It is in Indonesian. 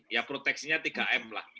ya proteksinya tiga m lah